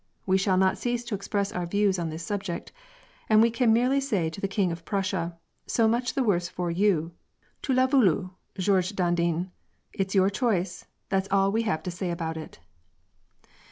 We shall not cease to express our views on tnis subject, and we can merely say to the King of Prussia :* So much tne worse for you. Tu Vas voulu, Georges Dandin — it's your own choice, that's all that we have to say about it.'